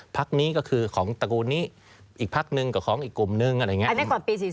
ภาคนี้ก็คือของตระกูลนี้อีกภาคนึ่งกับของอีกกลุ่มหนึ่งอะไรอย่างนี้